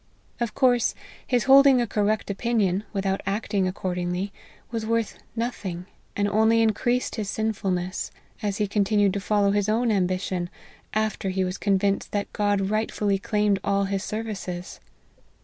Of course, his holding a cor rect opinion, without acting accordingly, was worth nothing, and only increased his sinfulness ; as he continued to follow his own ambition, after he was convinced that God rightfully claimed all his ser vices.